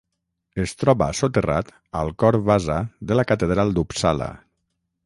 Es troba soterrat al Cor Vasa de la Catedral d'Uppsala.